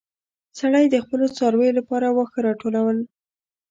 سړی د خپلو څارويو لپاره واښه راټولول.